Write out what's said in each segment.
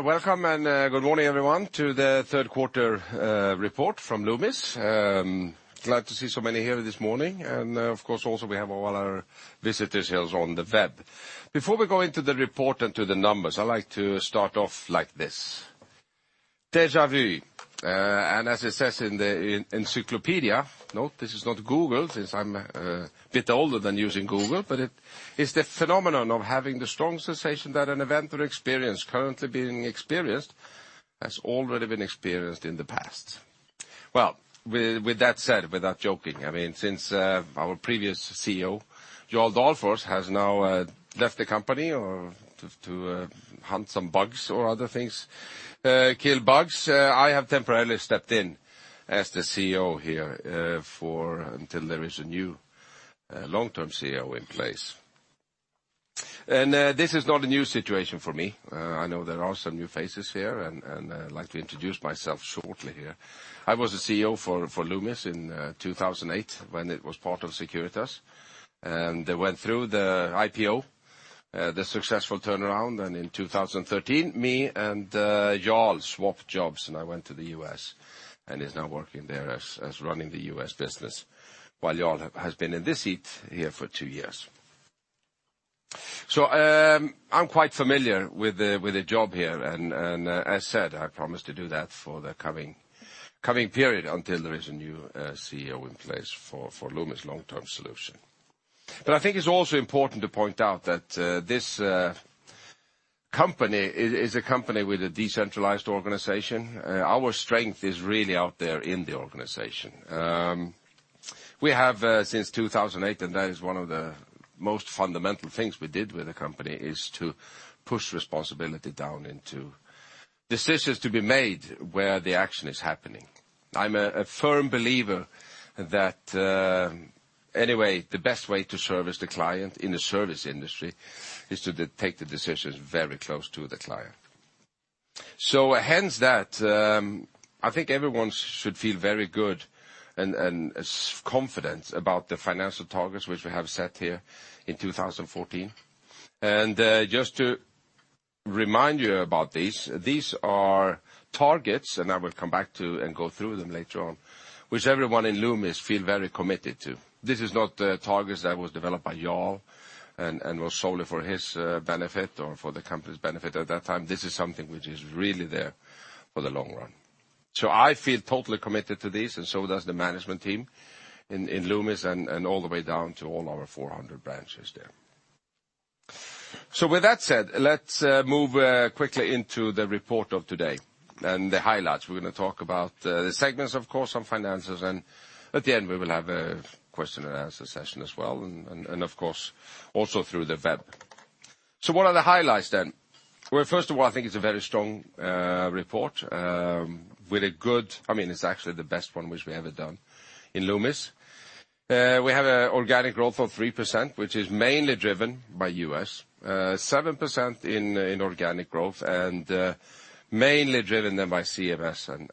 Welcome and good morning, everyone, to the third quarter report from Loomis. Glad to see so many here this morning. Of course also we have all our visitors here on the web. Before we go into the report and to the numbers, I like to start off like this. Deja vu, as it says in the encyclopedia, note, this is not Google, since I'm a bit older than using Google, but it is the phenomenon of having the strong sensation that an event or experience currently being experienced has already been experienced in the past. With that said, without joking, I mean, since our previous CEO, Jarl Dahlfors, has now left the company to hunt some bugs or other things, kill bugs, I have temporarily stepped in as the CEO here until there is a new long-term CEO in place. This is not a new situation for me. I know there are some new faces here and I'd like to introduce myself shortly here. I was a CEO for Loomis in 2008 when it was part of Securitas, they went through the IPO, the successful turnaround, and in 2013, me and Jarl swapped jobs and I went to the U.S. and is now working there as running the U.S. business while Jarl has been in this seat here for two years. I'm quite familiar with the job here and, as said, I promise to do that for the coming period until there is a new CEO in place for Loomis' long-term solution. I think it's also important to point out that this company is a company with a decentralized organization. Our strength is really out there in the organization. We have since 2008, that is one of the most fundamental things we did with the company is to push responsibility down into decisions to be made where the action is happening. I'm a firm believer that, anyway, the best way to service the client in the service industry is to take the decisions very close to the client. Hence that, I think everyone should feel very good and is confident about the financial targets which we have set here in 2014. Just to remind you about this, these are targets, I will come back to and go through them later on, which everyone in Loomis feel very committed to. This is not targets that was developed by Jarl and was solely for his benefit or for the company's benefit at that time. This is something which is really there for the long run. I feel totally committed to this and so does the management team in Loomis and all the way down to all our 400 branches there. With that said, let's move quickly into the report of today and the highlights. We're going to talk about the segments, of course, on finances, at the end, we will have a question and answer session as well, of course, also through the web. What are the highlights then? First of all, I think it's a very strong report, I mean, it's actually the best one which we have ever done in Loomis. We have organic growth of 3%, which is mainly driven by U.S., 7% in organic growth, and mainly driven by CMS and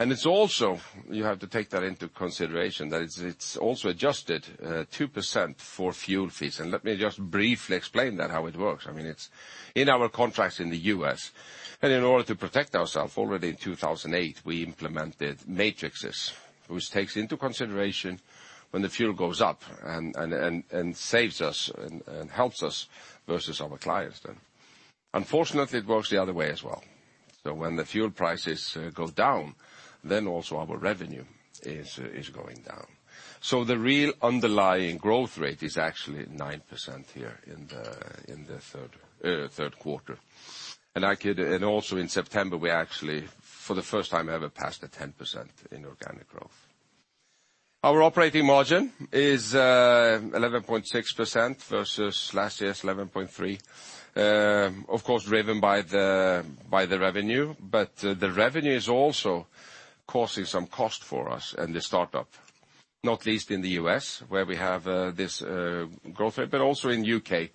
SafePoint. It's also, you have to take that into consideration, that it's also adjusted 2% for fuel fees. Let me just briefly explain that how it works. I mean, it's in our contracts in the U.S., and in order to protect ourselves, already in 2008, we implemented matrices, which takes into consideration when the fuel goes up and saves us and helps us versus our clients then. Unfortunately, it works the other way as well. When the fuel prices go down, then also our revenue is going down. The real underlying growth rate is actually 9% here in the third quarter. Also in September, we actually, for the first time ever, passed the 10% in organic growth. Our operating margin is 11.6% versus last year's 11.3%. Of course, driven by the revenue, the revenue is also causing some cost for us and the startup, not least in the U.S. where we have this growth rate, but also in U.K.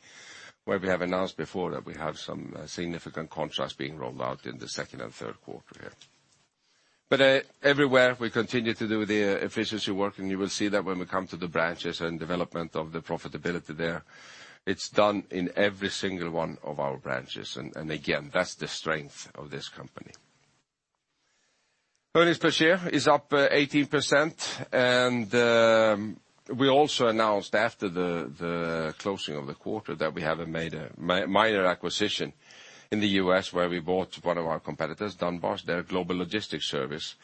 where we have announced before that we have some significant contracts being rolled out in the second and third quarter here. Everywhere we continue to do the efficiency work, and you will see that when we come to the branches and development of the profitability there. It's done in every single one of our branches. Again, that's the strength of this company. Earnings per share is up 18%. We also announced after the closing of the quarter that we have made a minor acquisition in the U.S. where we bought one of our competitors, Dunbar, their Global Logistics service,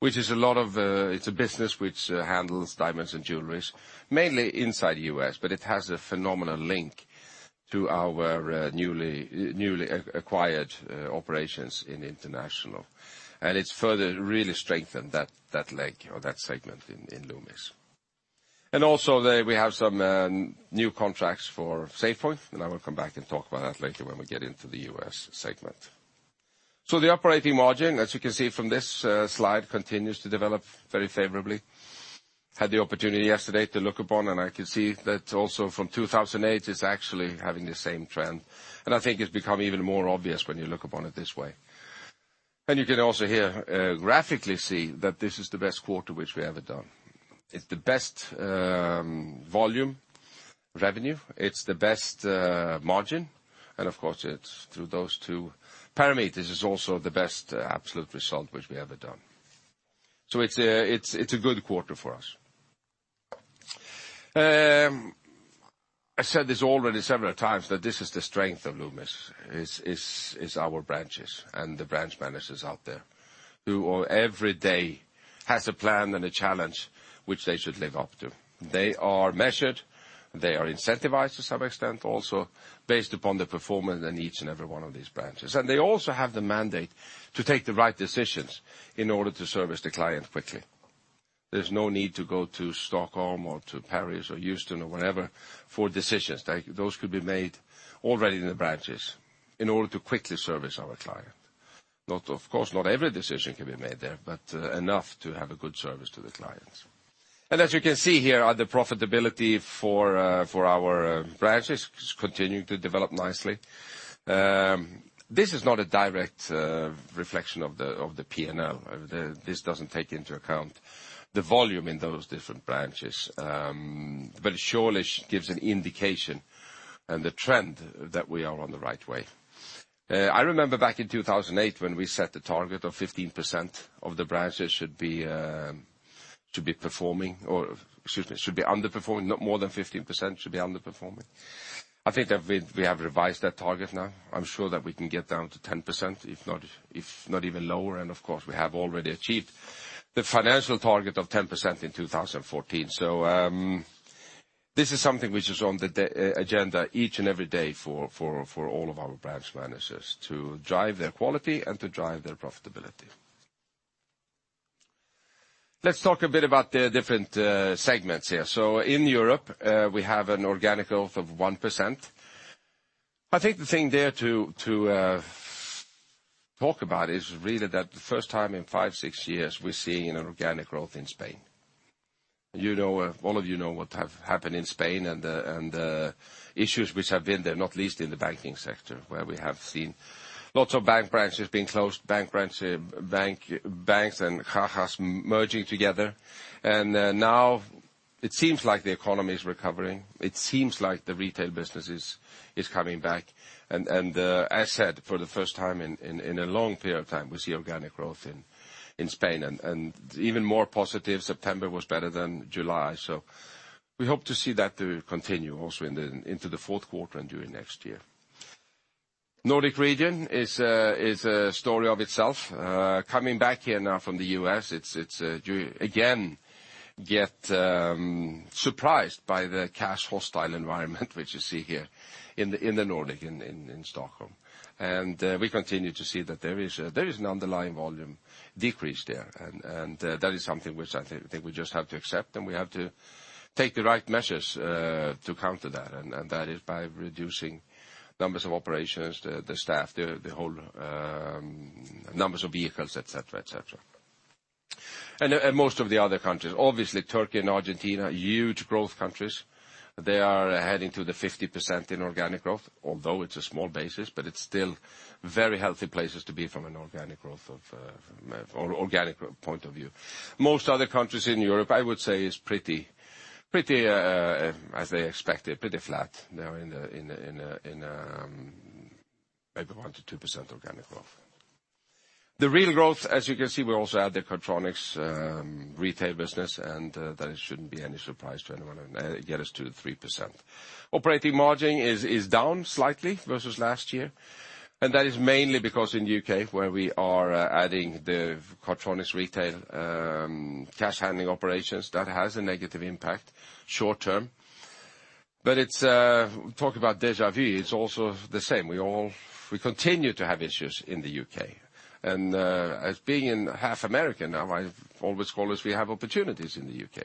which is a business which handles diamonds and jewelry, mainly inside the U.S., but it has a phenomenal link to our newly acquired operations in International. It's further really strengthened that leg or that segment in Loomis. Also there we have some new contracts for SafePoint, and I will come back and talk about that later when we get into the U.S. segment. The operating margin, as you can see from this slide, continues to develop very favorably. Had the opportunity yesterday to look upon, and I can see that also from 2008, it's actually having the same trend. I think it's become even more obvious when you look upon it this way. You can also here graphically see that this is the best quarter which we have ever done. It's the best volume revenue, it's the best margin, and of course, it's through those two parameters is also the best absolute result which we have ever done. It's a good quarter for us. I said this already several times, that this is the strength of Loomis, is our branches and the branch managers out there who on every day has a plan and a challenge which they should live up to. They are measured, they are incentivized to some extent also based upon the performance in each and every one of these branches. They also have the mandate to take the right decisions in order to service the client quickly. There's no need to go to Stockholm or to Paris or Houston or wherever for decisions. Those could be made already in the branches in order to quickly service our client. Of course, not every decision can be made there, but enough to have a good service to the clients. As you can see here, the profitability for our branches is continuing to develop nicely. This is not a direct reflection of the P&L. This doesn't take into account the volume in those different branches. It surely gives an indication and the trend that we are on the right way. I remember back in 2008 when we set the target of 15% of the branches should be underperforming, not more than 15% should be underperforming. I think that we have revised that target now. I'm sure that we can get down to 10%, if not even lower, of course, we have already achieved the financial target of 10% in 2014. This is something which is on the agenda each and every day for all of our branch managers to drive their quality and to drive their profitability. Let's talk a bit about the different segments here. In Europe, we have an organic growth of 1%. I think the thing there to talk about is really that the first time in five, six years, we're seeing an organic growth in Spain. All of you know what has happened in Spain and the issues which have been there, not least in the banking sector, where we have seen lots of bank branches being closed, banks and cajas merging together. Now it seems like the economy is recovering. It seems like the retail business is coming back. As said, for the first time in a long period of time, we see organic growth in Spain, even more positive, September was better than July. We hope to see that continue also into the fourth quarter and during next year. Nordic region is a story of itself. Coming back here now from the U.S., it's again, get surprised by the cash-hostile environment which you see here in the Nordic, in Stockholm. We continue to see that there is an underlying volume decrease there, that is something which I think we just have to accept, and we have to take the right measures to counter that. That is by reducing numbers of operations, the staff, the whole numbers of vehicles, et cetera. Most of the other countries, obviously Turkey and Argentina, huge growth countries. They are heading to the 50% in organic growth, although it's a small basis, it's still very healthy places to be from an organic point of view. Most other countries in Europe, I would say is pretty as they expected, pretty flat. They're in maybe 1%-2% organic growth. The real growth, as you can see, we also add the Cardtronics retail business, that shouldn't be any surprise to anyone, get us to the 3%. Operating margin is down slightly versus last year, that is mainly because in U.K., where we are adding the Cardtronics retail cash handling operations, that has a negative impact short-term. Talk about deja vu, it's also the same. We continue to have issues in the U.K. As being in half American now, I've always called us, we have opportunities in the U.K.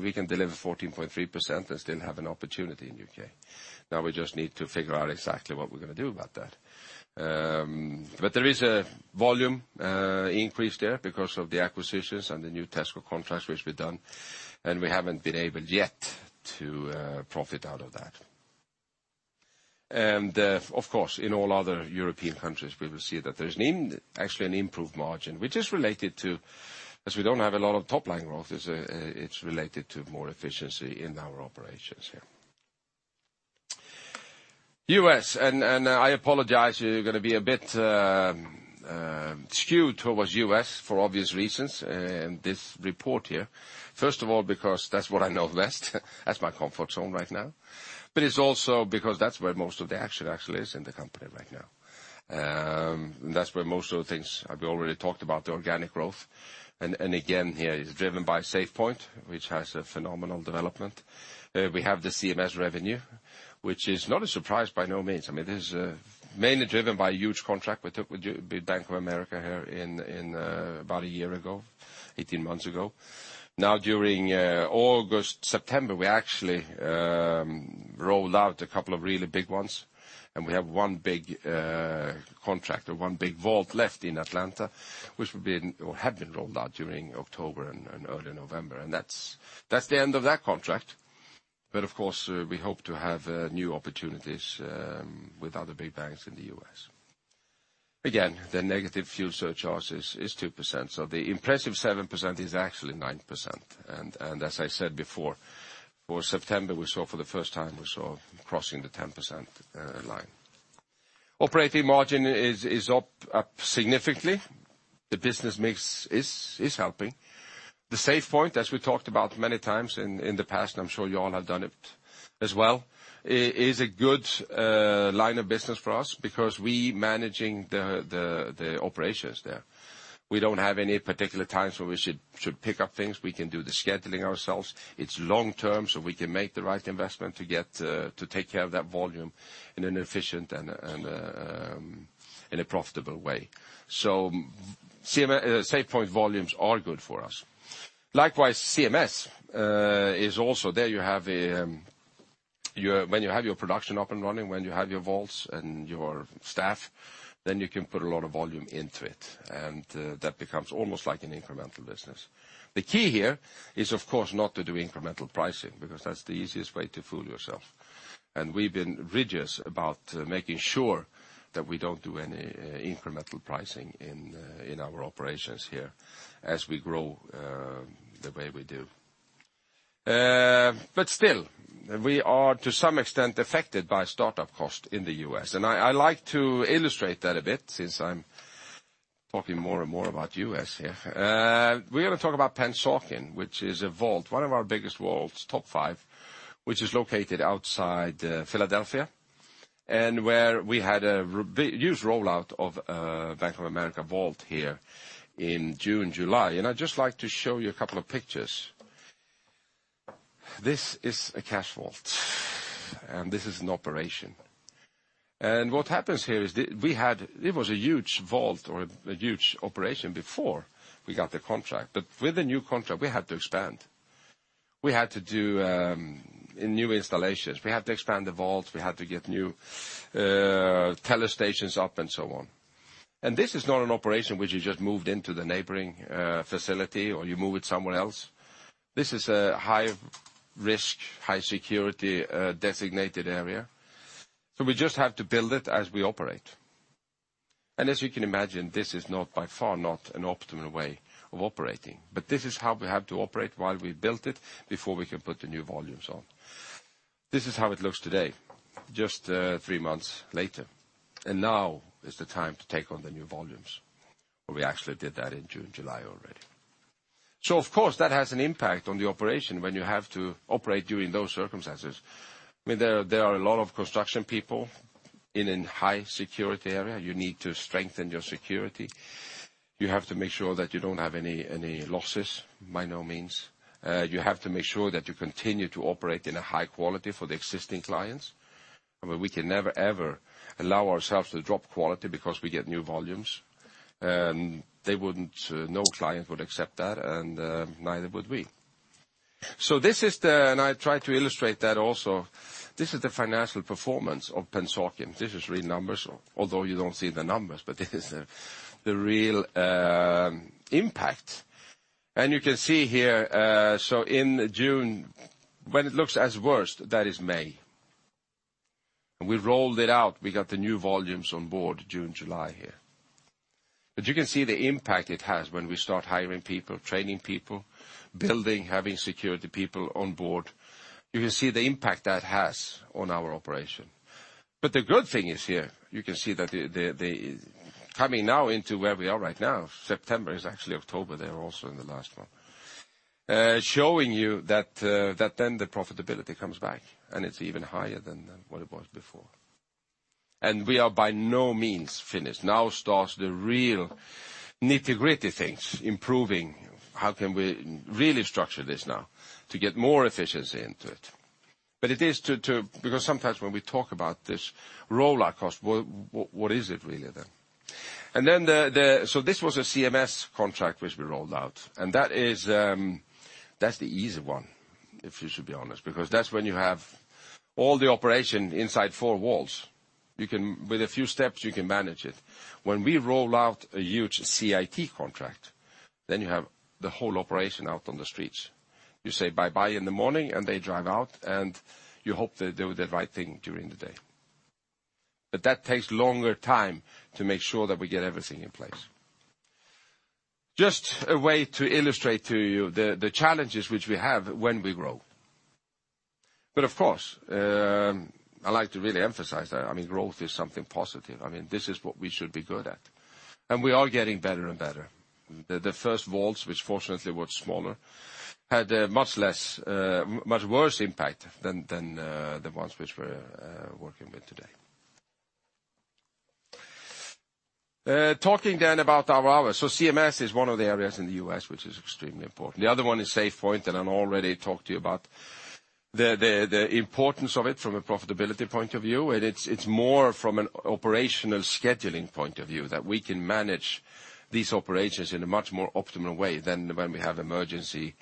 We can deliver 14.3% and still have an opportunity in the U.K. We just need to figure out exactly what we're going to do about that. There is a volume increase there because of the acquisitions and the new Tesco contracts which we've done, and we haven't been able yet to profit out of that. Of course, in all other European countries, we will see that there's actually an improved margin. As we don't have a lot of top-line growth, it's related to more efficiency in our operations here. U.S., and I apologize, we're going to be a bit skewed towards the U.S. for obvious reasons in this report here. First of all, because that's what I know best. That's my comfort zone right now. It's also because that's where most of the action actually is in the company right now. That's where most of the things we already talked about, the organic growth. Again, here is driven by SafePoint, which has a phenomenal development. We have the CMS revenue, which is not a surprise by no means. I mean, this is mainly driven by a huge contract we took with Bank of America here about a year ago, 18 months ago. During August, September, we actually rolled out a couple of really big ones, and we have one big contract or one big vault left in Atlanta, which have been rolled out during October and early November. That's the end of that contract. Of course, we hope to have new opportunities with other big banks in the U.S. Again, the negative fuel surcharges is 2%, so the impressive 7% is actually 9%. As I said before, for September, we saw for the first time, we saw crossing the 10% line. Operating margin is up significantly. The business mix is helping. The SafePoint, as we talked about many times in the past, I'm sure you all have done it as well, is a good line of business for us because we're managing the operations there. We don't have any particular times where we should pick up things. We can do the scheduling ourselves. It's long-term, so we can make the right investment to take care of that volume in an efficient and in a profitable way. SafePoint volumes are good for us. Likewise, CMS is also. When you have your production up and running, when you have your vaults and your staff, then you can put a lot of volume into it and that becomes almost like an incremental business. The key here is, of course, not to do incremental pricing because that's the easiest way to fool yourself. We've been rigid about making sure that we don't do any incremental pricing in our operations here as we grow the way we do. Still, we are to some extent affected by startup cost in the U.S. I like to illustrate that a bit since I'm talking more and more about the U.S. here. We're going to talk about Pennsauken, which is a vault, one of our biggest vaults, top five, which is located outside Philadelphia and where we had a huge rollout of Bank of America vault here in June, July. I'd just like to show you a couple of pictures. This is a cash vault and this is an operation. What happens here is it was a huge vault or a huge operation before we got the contract. With the new contract, we had to expand. We had to do new installations. We had to expand the vault. We had to get new teller stations up and so on. This is not an operation which you just moved into the neighboring facility or you move it somewhere else. This is a high-risk, high-security designated area. We just have to build it as we operate. As you can imagine, this is by far not an optimal way of operating. This is how we have to operate while we built it before we can put the new volumes on. This is how it looks today, just three months later. Now is the time to take on the new volumes. We actually did that in June, July already. Of course, that has an impact on the operation when you have to operate during those circumstances. There are a lot of construction people in a high-security area. You need to strengthen your security. You have to make sure that you don't have any losses, by no means. You have to make sure that you continue to operate in a high quality for the existing clients. We can never, ever allow ourselves to drop quality because we get new volumes. No client would accept that and neither would we. I try to illustrate that also. This is the financial performance of Pennsauken. This is real numbers, although you don't see the numbers, but this is the real impact. You can see here, when it looks as worst, that is May. We rolled it out. We got the new volumes on board June, July here. You can see the impact it has when we start hiring people, training people, building, having security people on board. You can see the impact that has on our operation. The good thing is here, you can see that coming now into where we are right now, September, it's actually October there also in the last one, showing you that then the profitability comes back and it's even higher than what it was before. We are by no means finished. Now starts the real nitty-gritty things, improving how can we really structure this now to get more efficiency into it. Because sometimes when we talk about this rollout cost, what is it really then? This was a CMS contract which we rolled out, and that's the easy one if you should be honest because that's when you have all the operation inside four walls. With a few steps you can manage it. When we roll out a huge CIT contract, then you have the whole operation out on the streets. You say bye-bye in the morning and they drive out, and you hope they do the right thing during the day. That takes longer time to make sure that we get everything in place. Just a way to illustrate to you the challenges which we have when we grow. Of course, I like to really emphasize that. Growth is something positive. This is what we should be good at. We are getting better and better. The first vaults, which fortunately were smaller, had a much worse impact than the ones which we're working with today. Talking then about our hours. CMS is one of the areas in the U.S. which is extremely important. The other one is SafePoint, and I've already talked to you about the importance of it from a profitability point of view. It's more from an operational scheduling point of view that we can manage these operations in a much more optimal way than when we have emergency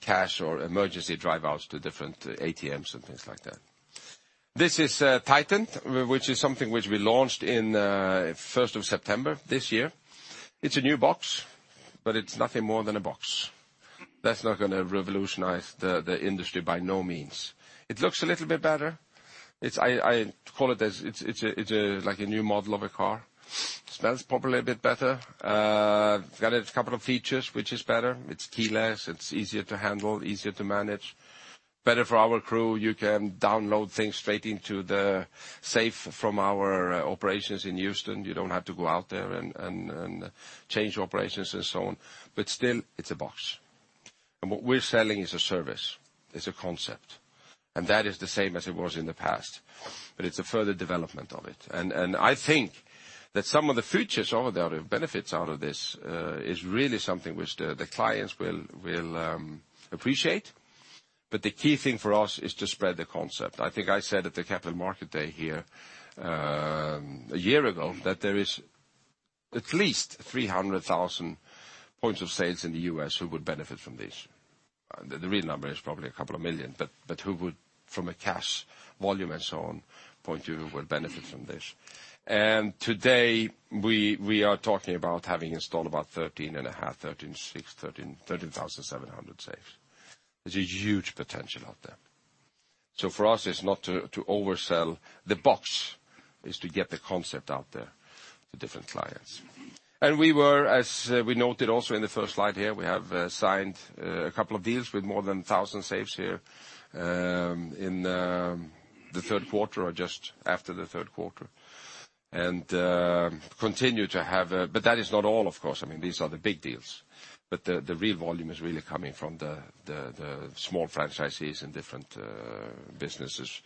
cash or emergency drive outs to different ATMs and things like that. This is Titan, which is something which we launched in the 1st of September this year. It's a new box, it's nothing more than a box. That's not going to revolutionize the industry by no means. It looks a little bit better. I call it's like a new model of a car. Smells probably a bit better. Got a couple of features which is better. It's keyless, it's easier to handle, easier to manage, better for our crew. You can download things straight into the safe from our operations in Houston. You don't have to go out there and change operations and so on. Still, it's a box. What we're selling is a service. It's a concept. That is the same as it was in the past, but it's a further development of it. I think that some of the features or the benefits out of this is really something which the clients will appreciate. The key thing for us is to spread the concept. I think I said at the Capital Markets Day here a year ago that there is at least 300,000 points of sales in the U.S. who would benefit from this. The real number is probably a couple of million, who would, from a cash volume and so on point of view, would benefit from this. Today we are talking about having installed about 13 and a half, 13,700 safes. There's a huge potential out there. For us, it's not to oversell the box. It's to get the concept out there to different clients. We were, as we noted also in the first slide here, we have signed a couple of deals with more than 1,000 safes here in the third quarter or just after the third quarter. That is not all, of course. These are the big deals, the real volume is really coming from the small franchisees and different businesses.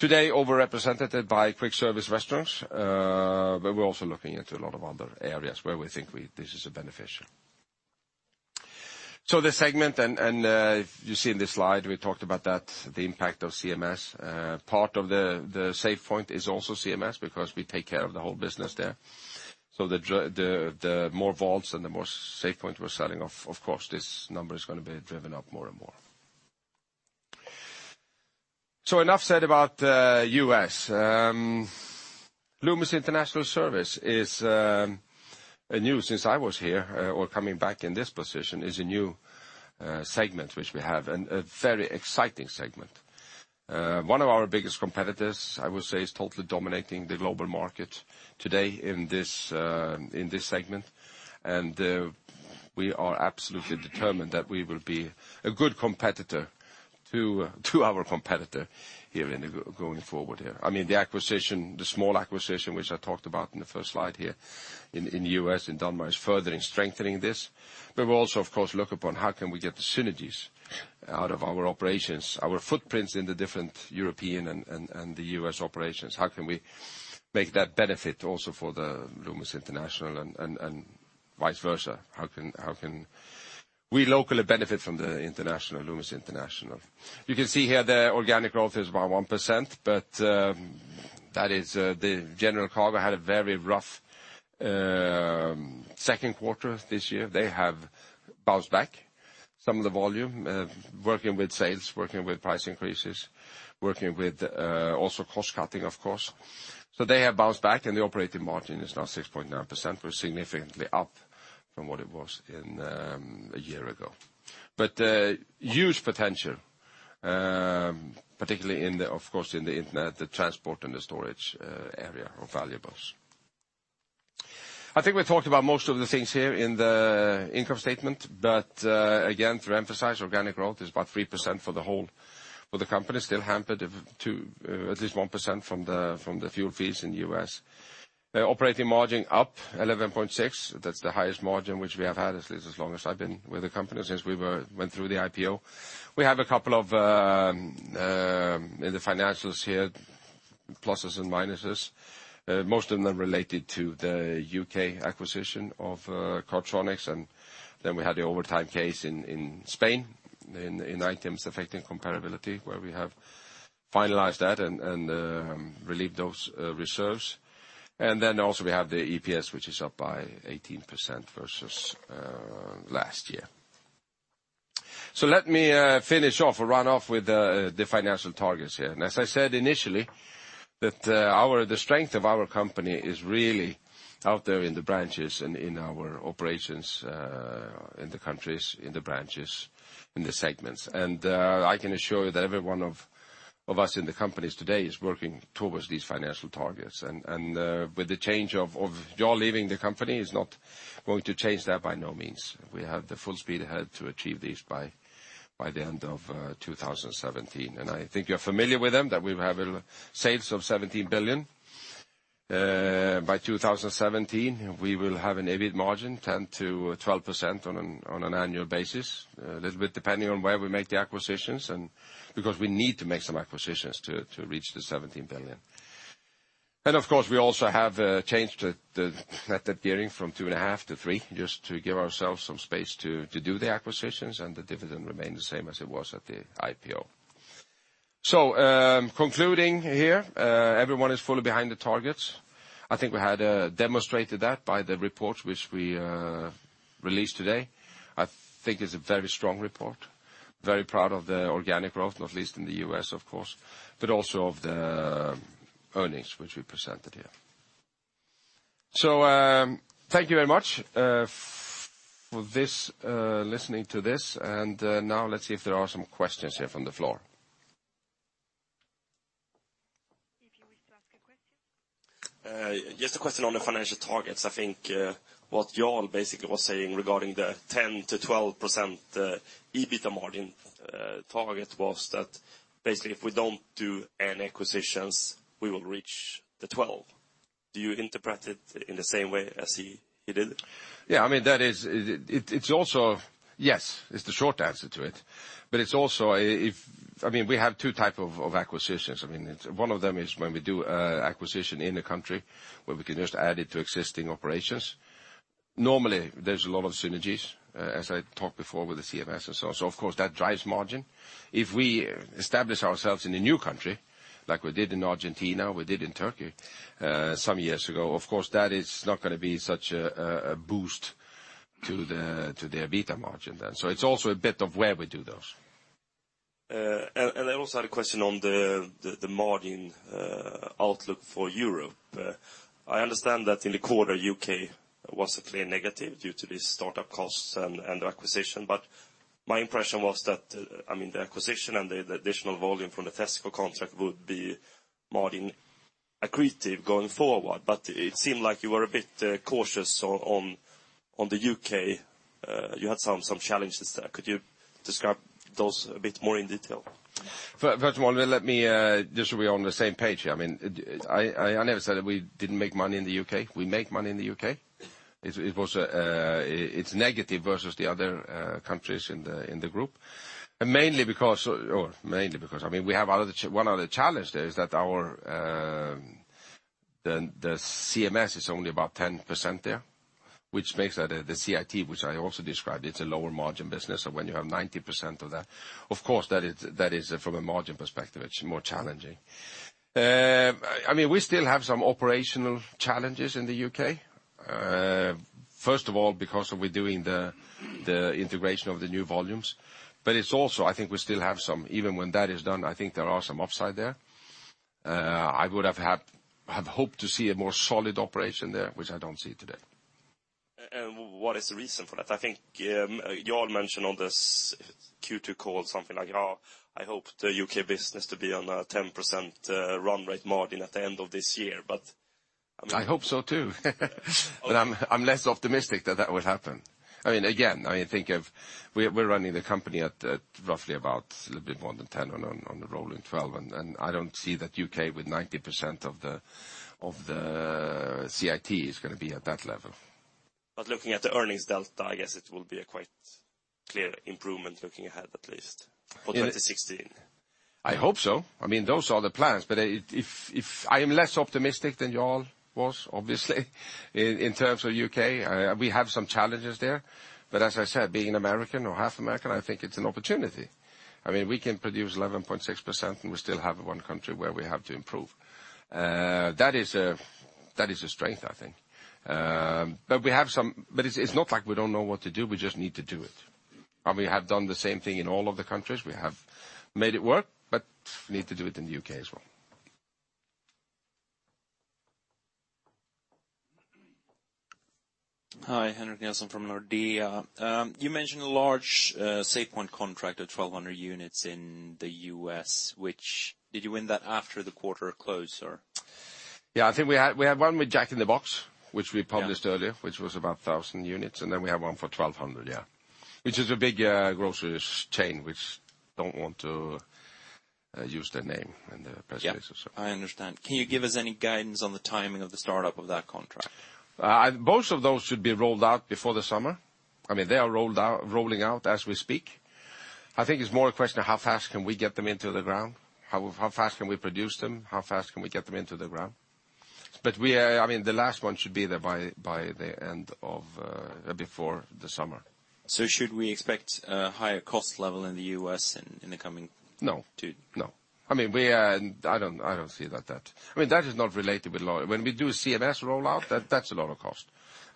Today overrepresented by quick service restaurants, we're also looking into a lot of other areas where we think this is beneficial. The segment and you see in this slide, we talked about that the impact of CMS part of the SafePoint is also CMS because we take care of the whole business there. The more vaults and the more SafePoint we're selling off, of course, this number is going to be driven up more and more. Enough said about U.S., Loomis International Service is new since I was here or coming back in this position is a new segment which we have and a very exciting segment. One of our biggest competitors, I would say, is totally dominating the global market today in this segment. We are absolutely determined that we will be a good competitor to our competitor here going forward here. The small acquisition which I talked about in the first slide here in U.S. and Dunbar is further in strengthening this. We'll also, of course, look upon how can we get the synergies out of our operations, our footprints in the different European and the U.S. operations. How can we make that benefit also for the Loomis International and vice versa? How can we locally benefit from the Loomis International? You can see here the organic growth is about 1%, but that is the General Cargo had a very rough second quarter this year. They have bounced back some of the volume, working with sales, working with price increases, working with also cost cutting, of course. They have bounced back and the operating margin is now 6.9%, which is significantly up from what it was a year ago. Huge potential, particularly in the, of course, in the internet, the transport and the storage area of valuables. I think we talked about most of the things here in the income statement, but again, to emphasize organic growth is about 3% for the whole for the company, still hampered to at least 1% from the fuel fees in the U.S. The operating margin up 11.6%. That's the highest margin which we have had at least as long as I've been with the company since we went through the IPO. We have a couple of, in the financials here, pluses and minuses, most of them related to the U.K. acquisition of Cardtronics, then we had the overtime case in Spain in items affecting comparability, where we have finalized that and relieved those reserves. Also we have the EPS, which is up by 18% versus last year. Let me finish off or run off with the financial targets here. As I said initially, the strength of our company is really out there in the branches and in our operations, in the countries, in the branches, in the segments. I can assure you that every one of us in the companies today is working towards these financial targets. With the change of Jo leaving the company is not going to change that by no means. We have the full speed ahead to achieve these by the end of 2017. I think you're familiar with them, that we will have sales of 17 billion. By 2017, we will have an EBIT margin 10%-12% on an annual basis, a little bit depending on where we make the acquisitions and because we need to make some acquisitions to reach the 17 billion. Of course, we also have changed the net appearing from 2.5 to 3 just to give ourselves some space to do the acquisitions and the dividend remain the same as it was at the IPO. Concluding here, everyone is fully behind the targets. I think we had demonstrated that by the report which we released today. I think it's a very strong report. Very proud of the organic growth, not least in the U.S., of course, but also of the earnings, which we presented here. Thank you very much for listening to this, now let's see if there are some questions here from the floor. If you wish to ask a question. Just a question on the financial targets. I think what you all basically were saying regarding the 10%-12% EBITA margin target was that basically if we don't do any acquisitions, we will reach the 12%. Do you interpret it in the same way as he did? Yes. It's the short answer to it. We have two type of acquisitions. One of them is when we do acquisition in a country where we can just add it to existing operations. Normally, there's a lot of synergies, as I talked before with the CMS and so on. Of course, that drives margin. If we establish ourselves in a new country, like we did in Argentina, we did in Turkey some years ago, of course, that is not going to be such a boost to the EBITA margin then. It's also a bit of where we do those. I also had a question on the margin outlook for Europe. I understand that in the quarter, U.K. was a clear negative due to the startup costs and the acquisition, my impression was that, the acquisition and the additional volume from the Tesco contract would be margin accretive going forward. It seemed like you were a bit cautious on the U.K. You had some challenges there. Could you describe those a bit more in detail? First of all, just so we're on the same page here. I never said we didn't make money in the U.K. We make money in the U.K. It's negative versus the other countries in the group. Mainly because, one of the challenge there is that the CMS is only about 10% there, which makes that the CIT, which I also described, it's a lower margin business. When you have 90% of that, of course, that is from a margin perspective, it's more challenging. We still have some operational challenges in the U.K. First of all, because we're doing the integration of the new volumes. It's also, I think we still have some, even when that is done, I think there are some upside there. I would have hoped to see a more solid operation there, which I don't see today. What is the reason for that? I think you all mentioned on this Q2 call something like, I hoped the U.K. business to be on a 10% run rate margin at the end of this year. I hope so too. I'm less optimistic that that will happen. Again, we're running the company at roughly about a little bit more than 10% on a rolling 12, I don't see that U.K. with 90% of the CIT is going to be at that level. Looking at the earnings delta, I guess it will be a quite clear improvement looking ahead, at least for 2016. I hope so. Those are the plans, but I am less optimistic than you all was, obviously, in terms of U.K. We have some challenges there. As I said, being an American or half American, I think it's an opportunity. We can produce 11.6%, and we still have one country where we have to improve. That is a strength, I think. It's not like we don't know what to do, we just need to do it. We have done the same thing in all of the countries. We have made it work, but we need to do it in the U.K. as well. Hi, Henrik Nilsson from Nordea. You mentioned a large SafePoint contract of 1,200 units in the U.S., which, did you win that after the quarter closed or? Yeah, I think we had one with Jack in the Box, which we published earlier. Yeah which was about 1,000 units. Then we have one for 1,200, yeah, which is a big grocery chain, which don't want to use their name in the presentation. Yeah. I understand. Can you give us any guidance on the timing of the startup of that contract? Both of those should be rolled out before the summer. They are rolling out as we speak. I think it's more a question of how fast can we get them into the ground. How fast can we produce them? How fast can we get them into the ground? The last one should be there before the summer. Should we expect a higher cost level in the U.S. in the coming- No two- No. I don't see that. That is not related with roll. When we do CMS rollout, that's a lot of cost,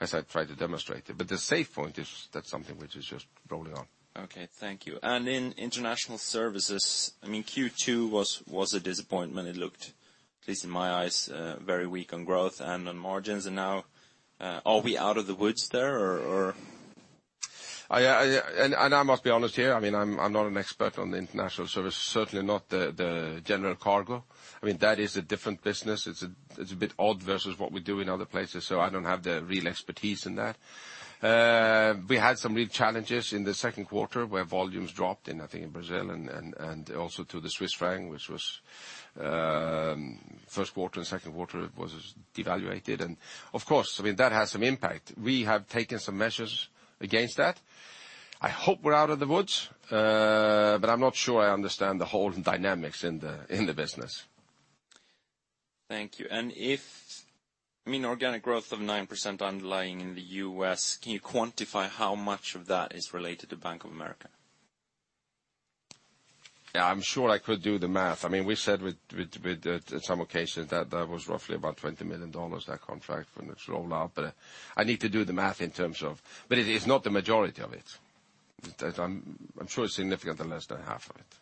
as I've tried to demonstrate. The SafePoint, that's something which is just rolling on. Okay. Thank you. In international services, Q2 was a disappointment. It looked, at least in my eyes, very weak on growth and on margins. Now, are we out of the woods there or? I must be honest here, I'm not an expert on the international service, certainly not the General Cargo. That is a different business. It's a bit odd versus what we do in other places, so I don't have the real expertise in that. We had some real challenges in the second quarter where volumes dropped in, I think in Brazil and also through the Swiss franc, which was first quarter and second quarter was devalued and, of course, that has some impact. We have taken some measures against that. I hope we're out of the woods, I'm not sure I understand the whole dynamics in the business. Thank you. If organic growth of 9% underlying in the U.S., can you quantify how much of that is related to Bank of America? Yeah, I'm sure I could do the math. We said in some occasions that was roughly about $20 million, that contract when it's rolled out. I need to do the math in terms of. It is not the majority of it. I'm sure it's significantly less than half of it.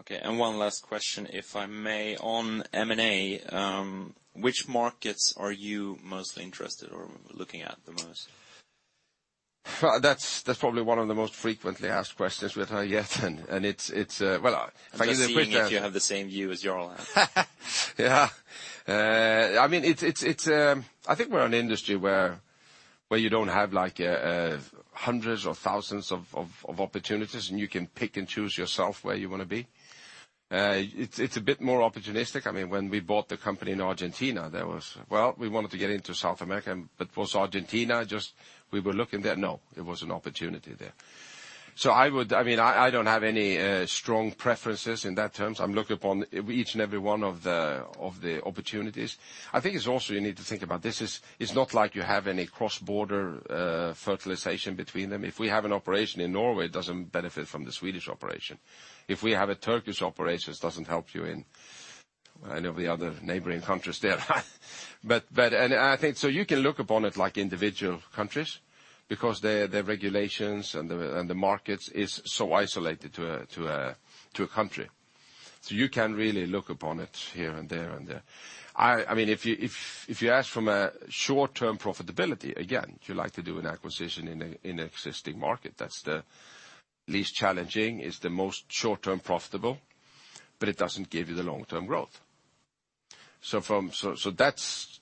Okay, one last question, if I may. On M&A, which markets are you mostly interested or looking at the most? That's probably one of the most frequently asked questions we've had yet. I'm just seeing if you have the same view as your whole team. I think we're an industry where you don't have hundreds or thousands of opportunities, and you can pick and choose yourself where you want to be. It's a bit more opportunistic. When we bought the company in Argentina, we wanted to get into South America, but was Argentina just we were looking there? No. It was an opportunity there. I don't have any strong preferences in that terms. I'm looking upon each and every one of the opportunities. I think it's also, you need to think about this is, it's not like you have any cross-border fertilization between them. If we have an operation in Norway, it doesn't benefit from the Swedish operation. If we have a Turkish operation, it doesn't help you in any of the other neighboring countries there. You can look upon it like individual countries because their regulations and the markets is so isolated to a country. You can really look upon it here and there and there. If you ask from a short-term profitability, again, you like to do an acquisition in existing market. That's the least challenging, is the most short-term profitable, but it doesn't give you the long-term growth. That's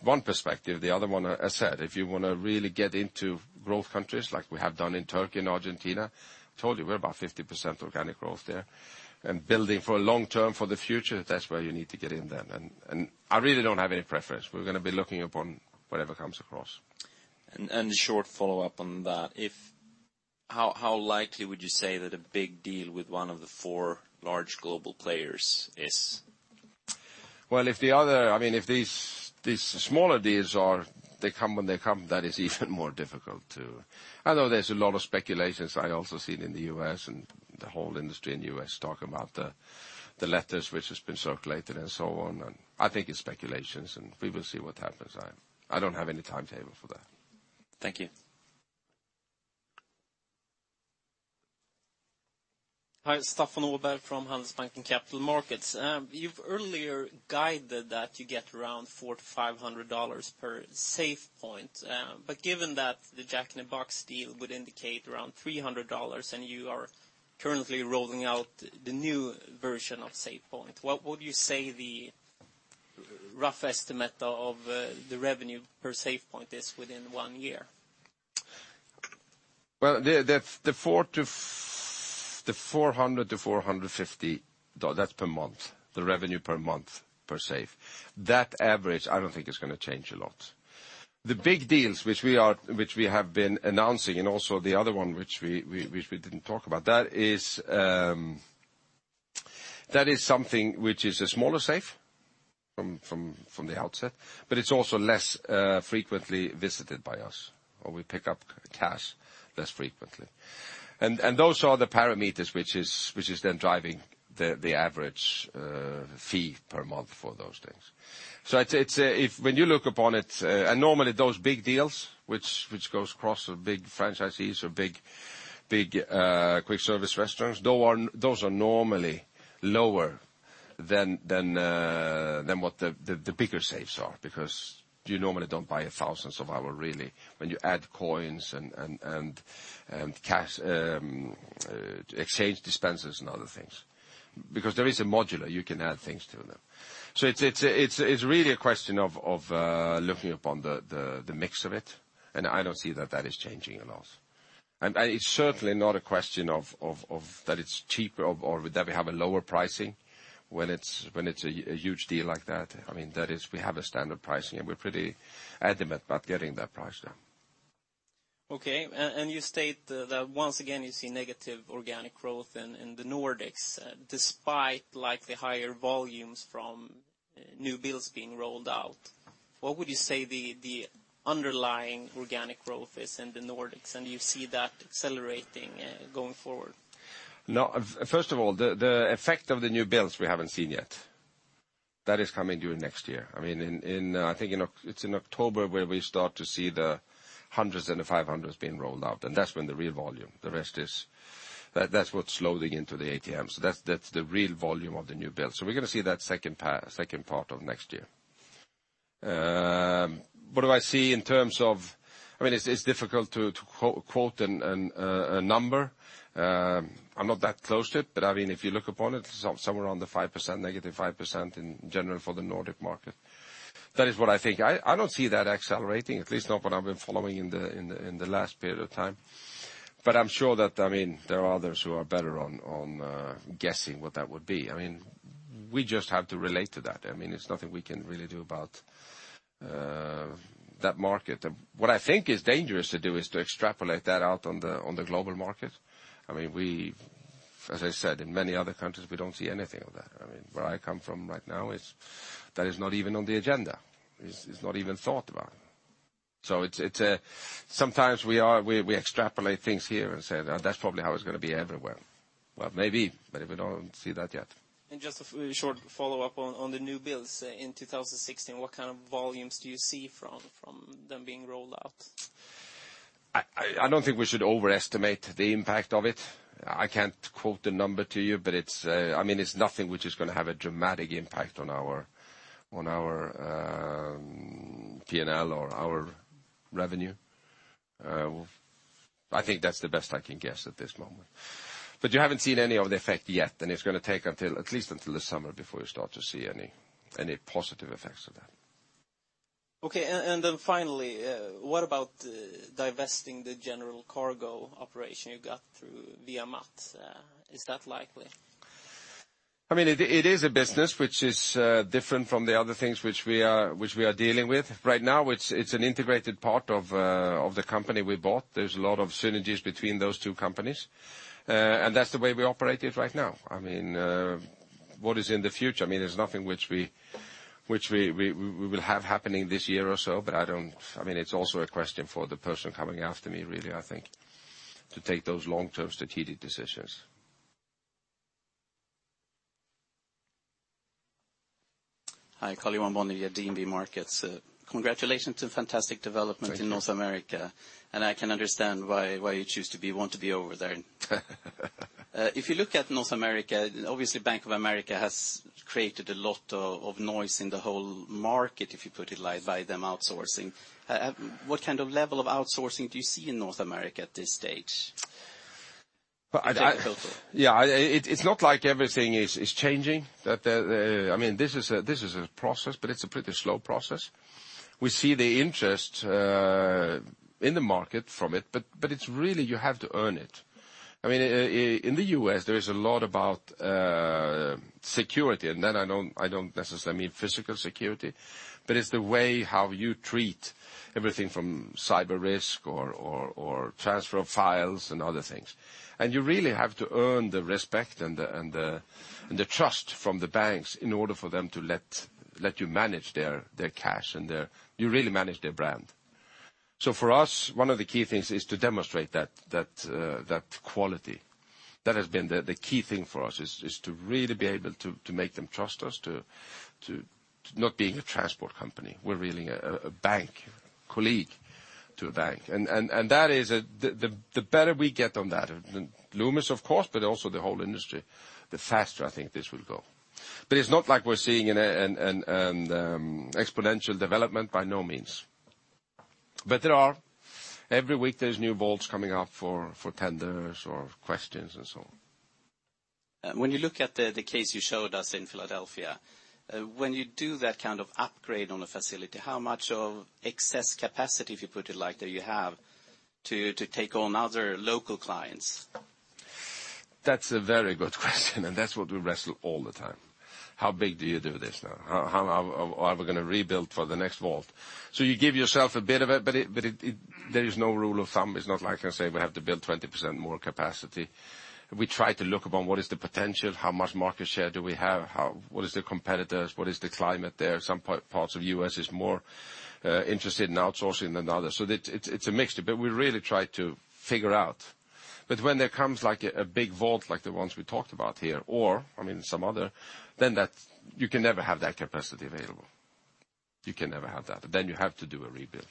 one perspective. The other one, as said, if you want to really get into growth countries like we have done in Turkey and Argentina, told you we're about 50% organic growth there. Building for a long term for the future, that's where you need to get in then. I really don't have any preference. We're going to be looking upon whatever comes across. A short follow-up on that. How likely would you say that a big deal with one of the four large global players is? If these smaller deals, they come when they come, that is even more difficult too. Although there's a lot of speculations I also seen in the U.S. and the whole industry in the U.S. talk about the letters which has been circulated and so on, I think it's speculations, we will see what happens. I don't have any timetable for that. Thank you. Hi, Staffan Åberg from Handelsbanken Capital Markets. Given that the Jack in the Box deal would indicate around $300 and you are currently rolling out the new version of SafePoint, what would you say the rough estimate of the revenue per SafePoint is within one year? You've earlier guided that you get around $400-$500 per SafePoint. Well, the $400-$450, that's per month, the revenue per month per safe. That average, I don't think it's going to change a lot. The big deals which we have been announcing and also the other one which we didn't talk about, that is something which is a smaller safe from the outset, but it's also less frequently visited by us, or we pick up cash less frequently. Those are the parameters which is then driving the average fee per month for those things. When you look upon it, and normally those big deals which goes across big franchisees or big quick service restaurants, those are normally lower than what the bigger safes are because you normally don't buy thousands of our really when you add coins and cash, exchange dispensers and other things. There is a modular, you can add things to them. It's really a question of looking upon the mix of it, and I don't see that that is changing a lot. It's certainly not a question of that it's cheaper or that we have a lower pricing when it's a huge deal like that. We have a standard pricing and we're pretty adamant about getting that price down. Okay. You state that once again you see negative organic growth in the Nordics, despite likely higher volumes from new bills being rolled out. What would you say the underlying organic growth is in the Nordics, and do you see that accelerating going forward? No. First of all, the effect of the new bills we haven't seen yet. That is coming during next year. I think it's in October where we start to see the 100s and the 500s being rolled out, and that's when the real volume. That's what's loading into the ATMs. That's the real volume of the new bills. We're going to see that second part of next year. It's difficult to quote a number. I'm not that close to it, but if you look upon it, somewhere around the 5%, -5% in general for the Nordic market. That is what I think. I don't see that accelerating, at least not what I've been following in the last period of time. I'm sure that there are others who are better on guessing what that would be. We just have to relate to that. There's nothing we can really do about that market. What I think is dangerous to do is to extrapolate that out on the global market. As I said, in many other countries, we don't see anything of that. Where I come from right now, that is not even on the agenda. It's not even thought about. Sometimes we extrapolate things here and say, "That's probably how it's going to be everywhere." Maybe, we don't see that yet. Just a short follow-up on the new bills in 2016. What kind of volumes do you see from them being rolled out? I don't think we should overestimate the impact of it. I can't quote the number to you, but it's nothing which is going to have a dramatic impact on our P&L or our revenue. I think that's the best I can guess at this moment. You haven't seen any of the effect yet, and it's going to take at least until the summer before you start to see any positive effects of that. Okay, finally, what about divesting the General Cargo operation you got through VIA MAT? Is that likely? It is a business which is different from the other things which we are dealing with right now. It's an integrated part of the company we bought. There's a lot of synergies between those two companies. That's the way we operate it right now. What is in the future? There's nothing which we will have happening this year or so, it's also a question for the person coming after me, really, I think, to take those long-term strategic decisions. Hi, Karl-Johan Bonnevier here, DNB Markets. Congratulations to fantastic development in North America. Thank you. I can understand why you want to be over there. If you look at North America, obviously Bank of America has created a lot of noise in the whole market, if you put it like by them outsourcing. What kind of level of outsourcing do you see in North America at this stage? Yeah. It's not like everything is changing. This is a process, but it's a pretty slow process. We see the interest in the market from it, but it's really, you have to earn it. In the U.S., there is a lot about security, and I don't necessarily mean physical security, but it's the way how you treat everything from cyber risk or transfer of files and other things. You really have to earn the respect and the trust from the banks in order for them to let you manage their cash and you really manage their brand. For us, one of the key things is to demonstrate that quality. That has been the key thing for us, is to really be able to make them trust us to not being a transport company. We're really a bank, colleague to a bank. The better we get on that, Loomis, of course, but also the whole industry, the faster I think this will go. It's not like we're seeing an exponential development, by no means. Every week, there's new vaults coming up for tenders or questions and so on. When you look at the case you showed us in Philadelphia, when you do that kind of upgrade on a facility, how much of excess capacity, if you put it like that, you have to take on other local clients? That's a very good question. That's what we wrestle all the time. How big do you do this now? Are we going to rebuild for the next vault? You give yourself a bit of it, but there is no rule of thumb. It's not like I say we have to build 20% more capacity. We try to look upon what is the potential, how much market share do we have? What is the competitors? What is the climate there? Some parts of U.S. is more interested in outsourcing than others. It's a mixture, but we really try to figure out. When there comes a big vault like the ones we talked about here, or some other, you can never have that capacity available. You can never have that. You have to do a rebuild.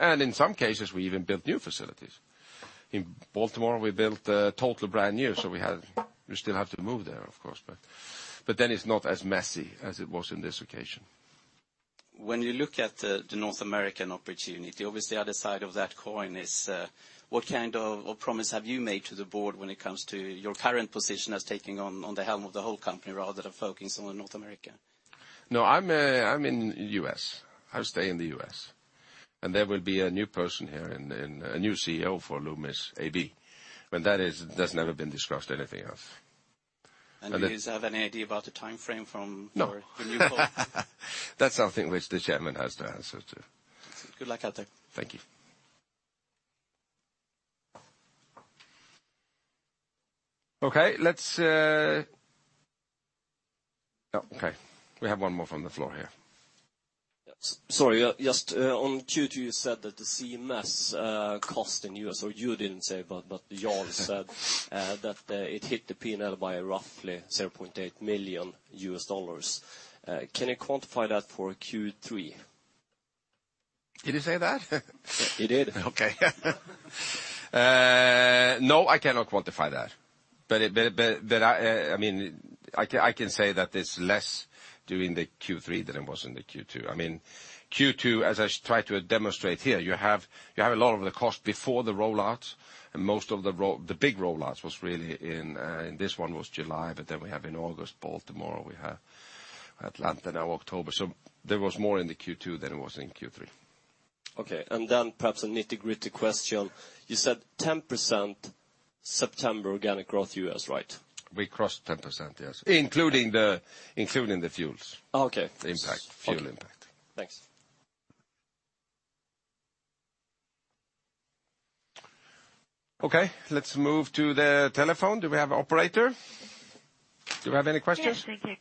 In some cases, we even built new facilities. In Baltimore, we built totally brand new. We still have to move there, of course, then it's not as messy as it was in this occasion. When you look at the North American opportunity, obviously the other side of that coin is what kind of promise have you made to the board when it comes to your current position as taking on the helm of the whole company rather than focusing on North America? No, I'm in the U.S. I'll stay in the U.S., there will be a new person here and a new CEO for Loomis AB. There's never been discussed anything else. Do you have any idea about the timeframe for the new post? No. That's something which the chairman has to answer to. Good luck out there. Thank you. Okay, we have one more from the floor here. Sorry. Just on Q2, you said that the CMS cost in U.S., or you didn't say, but Jarl said that it hit the P&L by roughly $0.8 million. Can you quantify that for Q3? Did he say that? He did. Okay. No, I cannot quantify that. I can say that it's less during the Q3 than it was in the Q2. Q2, as I tried to demonstrate here, you have a lot of the cost before the rollout, and most of the big rollouts was really in this one was July, but then we have in August, Baltimore, we have Atlanta now October. There was more in the Q2 than it was in Q3. Okay. Perhaps a nitty-gritty question. You said 10% September organic growth U.S., right? We crossed 10%, yes. Including the fuels impact. Okay. Fuel impact. Thanks. Okay, let's move to the telephone. Do we have operator? Do we have any questions? Yes, thank you.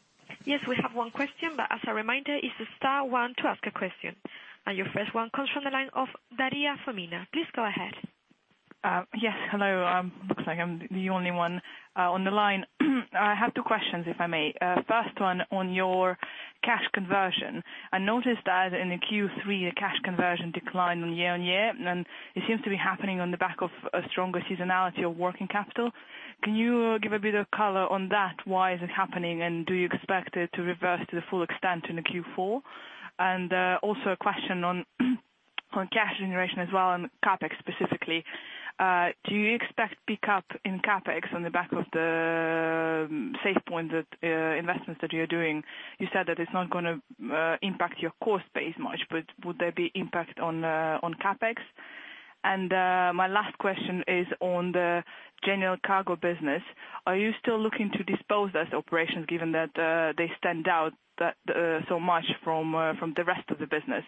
Yes, we have one question. As a reminder, it's the star one to ask a question. Your first one comes from the line of Daria Fomina. Please go ahead. Yes. Hello. Looks like I'm the only one on the line. I have two questions, if I may. First one on your cash conversion. I noticed that in the Q3 cash conversion declined year-on-year. It seems to be happening on the back of a stronger seasonality of working capital. Can you give a bit of color on that? Why is it happening? Do you expect it to reverse to the full extent in the Q4? Also a question on cash generation as well, and CapEx specifically. Do you expect pick-up in CapEx on the back of the SafePoint investments that you're doing? You said that it's not going to impact your cost base much. Would there be impact on CapEx? My last question is on the General Cargo business. Are you still looking to dispose those operations given that they stand out so much from the rest of the business?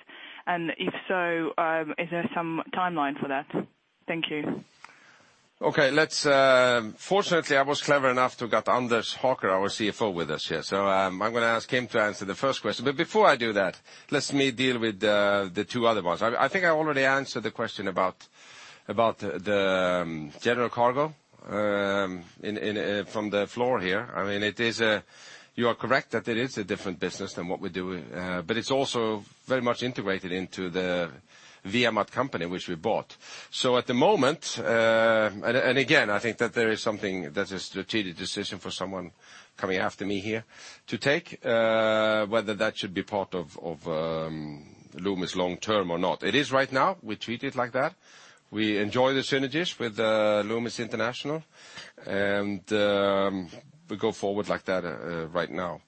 If so, is there some timeline for that? Thank you. Fortunately, I was clever enough to get Anders Håkansson, our CFO with us here. I'm going to ask him to answer the first question. Before I do that, let me deal with the two other ones. I think I already answered the question about the General Cargo from the floor here. You are correct that it is a different business than what we do, but it's also very much integrated into the VIA MAT company, which we bought. At the moment, and again, I think that that's a strategic decision for someone coming after me here to take, whether that should be part of Loomis long term or not. It is right now, we treat it like that. We enjoy the synergies with Loomis International, and we go forward like that right now.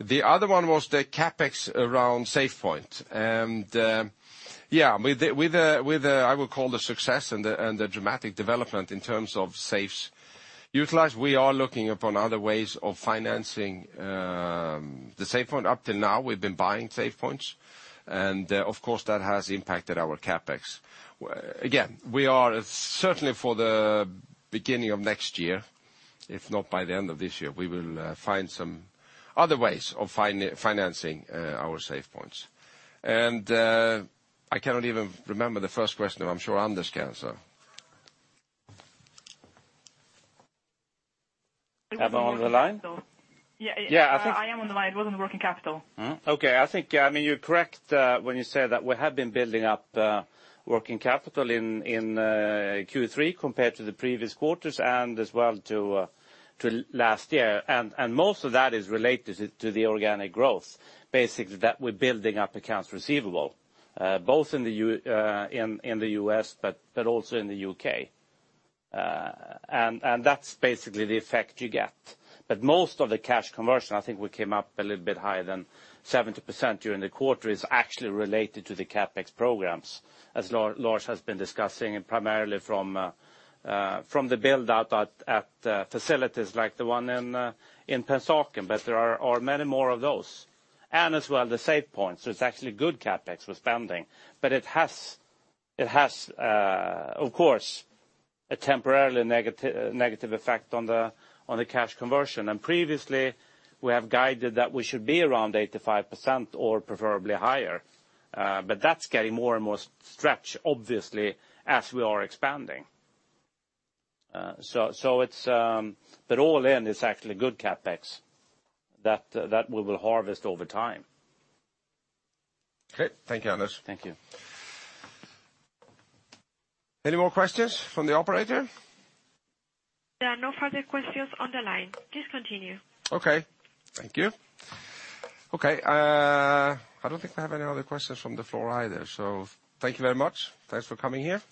The other one was the CapEx around SafePoint. Yeah, with I would call the success and the dramatic development in terms of safes utilized, we are looking upon other ways of financing the SafePoint. Up till now, we've been buying SafePoints, and of course, that has impacted our CapEx. Again, we are certainly for the beginning of next year, if not by the end of this year, we will find some other ways of financing our SafePoints. I cannot even remember the first question, but I'm sure Anders can so. Am I on the line? Yeah. Yeah, I think- I am on the line. It was on working capital. Okay. I think you're correct when you say that we have been building up working capital in Q3 compared to the previous quarters and as well to last year. Most of that is related to the organic growth. Basically that we're building up accounts receivable, both in the U.S., but also in the U.K. That's basically the effect you get. Most of the cash conversion, I think we came up a little bit higher than 70% during the quarter is actually related to the CapEx programs, as Lars has been discussing, and primarily from the build-out at facilities like the one in Pennsauken, but there are many more of those. As well, the SafePoint, so it's actually good CapEx we're spending. It has, of course, a temporarily negative effect on the cash conversion. Previously we have guided that we should be around 85% or preferably higher. That's getting more and more stretched, obviously, as we are expanding. All in, it's actually good CapEx that we will harvest over time. Okay. Thank you, Anders. Thank you. Any more questions from the operator? There are no further questions on the line. Please continue. Okay. Thank you. Okay, I don't think I have any other questions from the floor either. Thank you very much. Thanks for coming here.